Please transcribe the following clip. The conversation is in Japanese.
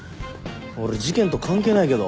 俺事件と関係ないけど。